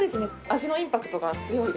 味のインパクトが強いですね。